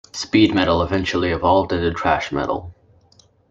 Speed metal eventually evolved into thrash metal.